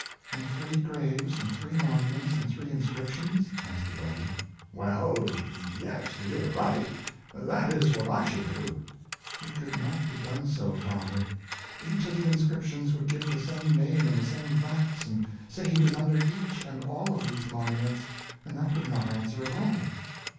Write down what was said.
"And three graves and three monuments and three inscriptions?" asked the daughter. "Well—yes—to do it right. That is what I should do." "It could not be done so, father. Each of the inscriptions would give the same name and the same facts and say he was under each and all of these monuments, and that would not answer at all."